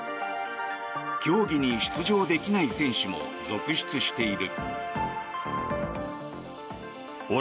競技に出場できない選手も続出している。